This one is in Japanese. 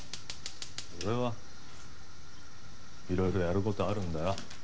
俺はいろいろやる事あるんだよ。